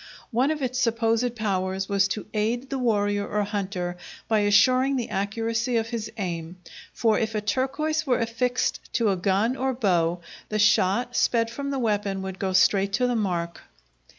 One of its supposed powers was to aid the warrior or hunter by assuring the accuracy of his aim, for if a turquoise were affixed to a gun or bow the shot sped from the weapon would go straight to the mark.